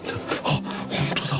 あっ、本当だ。